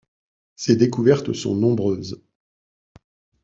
Ses découvertes sont nombreuses.